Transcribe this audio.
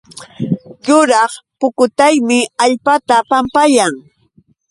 Yuraq pukutaymi allpata pampayan